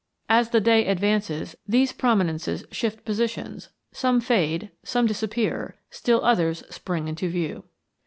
As the day advances these prominences shift positions; some fade; some disappear; still others spring into view.